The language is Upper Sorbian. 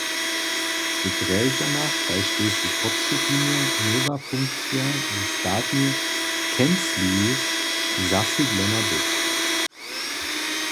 W Drježdźanach kaž tež w Podstupimje měła funkcija w statnej kencliji zasydlena być.